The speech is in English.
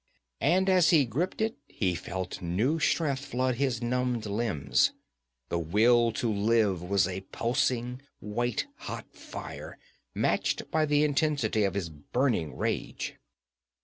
And as he gripped it he felt new strength flood his numbed limbs; the will to live was a pulsing white hot fire, matched by the intensity of his burning rage.